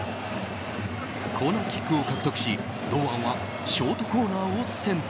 コーナーキックを獲得し堂安はショートコーナーを選択。